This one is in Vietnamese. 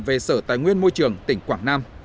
về sở tài nguyên môi trường tỉnh quảng nam